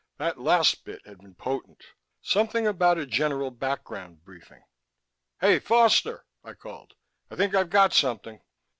That last bit had been potent: something about a general background briefing "Hey, Foster!" I called, "I think I've got something...."